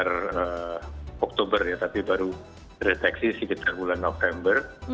sekitar oktober ya tapi baru direteksi sekitar bulan november